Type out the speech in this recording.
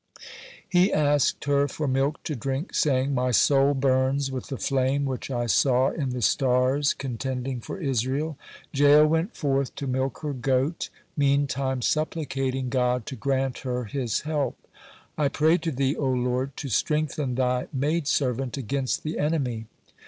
He asked her for milk to drink, saying: "My soul burns with the flame which I saw in the stars contending for Israel." Jael went forth to milk her goat, meantime supplicating God to grant her His help: "I pray to Thee, O Lord, to strengthen Thy maid servant against the enemy.